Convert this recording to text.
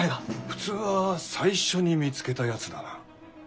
普通は最初に見つけたやつだな。